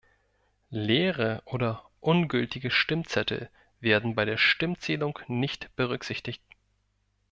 Leere oder ungültige Stimmzettel werden bei der Stimmzählung nicht berücksichtigt.